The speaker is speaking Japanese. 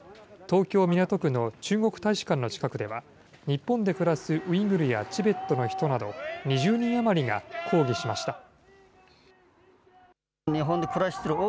東京・港区の中国大使館の近くでは、日本で暮らすウイグルやチベットの人など、２０人余りが抗議しました。